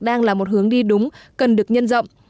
đang là một hướng đi đúng cần được nhân rộng